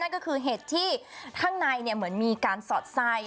อันนี้คือเห็ดที่ทางนายเหมือนมีการสอดไสค์